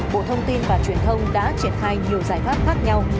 bộ thông tin và truyền thông đã triển khai nhiều giải pháp khác nhau